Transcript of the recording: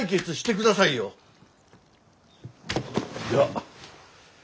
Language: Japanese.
では。